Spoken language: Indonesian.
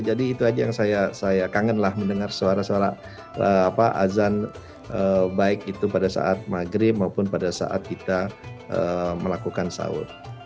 jadi itu aja yang saya kangen lah mendengar suara suara apa azan baik itu pada saat maghrib maupun pada saat kita melakukan sahur